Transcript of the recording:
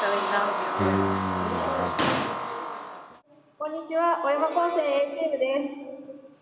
こんにちは小山高専Ａチームです。